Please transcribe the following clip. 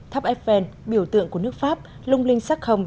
tháp eiffel biểu tượng của nước pháp lung linh sắc hồng